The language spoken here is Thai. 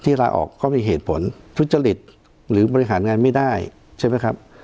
ลาออกก็มีเหตุผลทุจริตหรือบริหารงานไม่ได้ใช่ไหมครับ